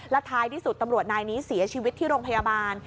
ท้ายที่สุดตำรวจนายนี้เสียชีวิตที่โรงพยาบาล